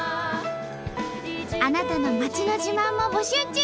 あなたの町の自慢も募集中！